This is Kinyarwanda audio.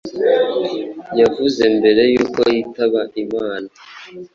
yavuze mbere y'uko yitaba Imana